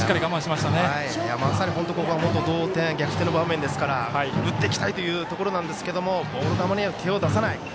まさに、ここは同点逆転の場面ですから打ってきたいというところですがボール球には手を出さない。